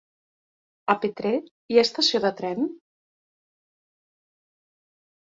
A Petrer hi ha estació de tren?